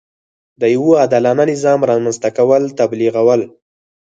د یوه عادلانه نظام رامنځته کول تبلیغول.